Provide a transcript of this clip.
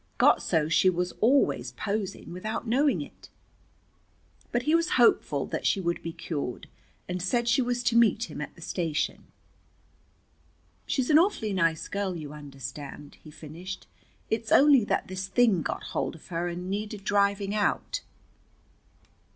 Got so she was always posing, without knowing it." But he was hopeful that she would be cured, and said she was to meet him at the station. "She's an awfully nice girl, you understand," he finished. "It's only that this thing got hold of her and needed driving out."